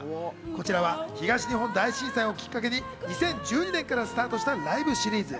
こちらは東日本大震災をきっかけに２０１２年からスタートしたライブシリーズ。